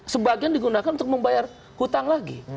sebagian digunakan untuk membayar hutang lagi